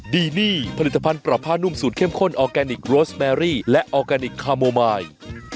ดีนี่ผลิตภัณฑ์ปรับผ้านุ่มสูตรเข้มข้นออร์แกนิคโรสแบรี่และออร์แกนิคคาโมมาย